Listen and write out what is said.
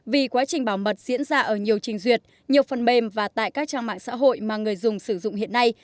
vì quá trình bảo mật diễn ra ở nhiều trình duyệt nhiều phần mềm và tại các trang mạng xã hội mà người dùng sử dụng hiện nay